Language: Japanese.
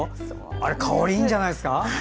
あれ、香りいいんじゃないですか。